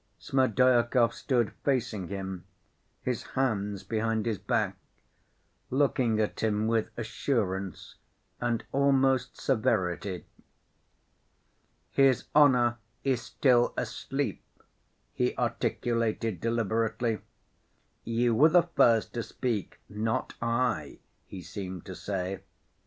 Smerdyakov stood facing him, his hands behind his back, looking at him with assurance and almost severity. "His honor is still asleep," he articulated deliberately ("You were the first to speak, not I," he seemed to say).